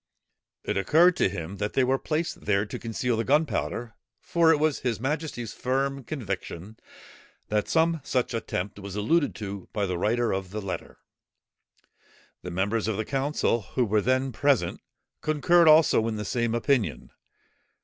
It occurred to him, that they were placed there to conceal the gunpowder, for it was his majesty's firm conviction, that some such attempt was alluded to by the writer of the letter. The members of the council who were then present, concurred also in the same opinion.